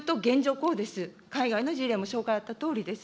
こうです、海外の事例も紹介あったとおりです。